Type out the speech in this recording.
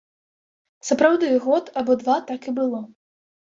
Сапраўды, год або два так і было.